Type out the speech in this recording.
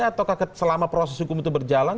atau selama proses hukum itu berjalan